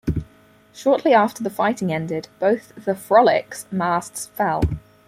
Shortly after the fighting ended, both the "Frolic"s masts fell.